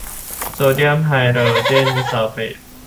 โซเดียมไฮโดรเจนซัลเฟต